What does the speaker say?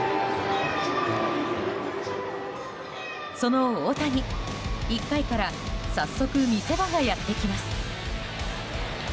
その大谷、１回から早速見せ場がやってきます。